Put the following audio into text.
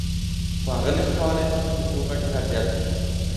خو هغه نشي کولای هر څومره چې وغواړي کار زیات کړي